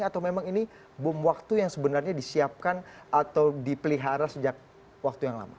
atau memang ini bom waktu yang sebenarnya disiapkan atau dipelihara sejak waktu yang lama